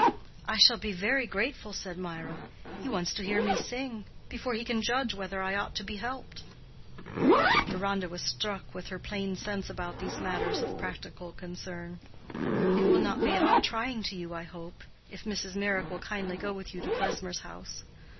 "I shall be very grateful," said Mirah. "He wants to hear me sing, before he can judge whether I ought to be helped." Deronda was struck with her plain sense about these matters of practical concern. "It will not be at all trying to you, I hope, if Mrs. Meyrick will kindly go with you to Klesmer's house."